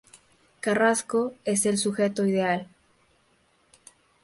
Carrasco es el sujeto ideal.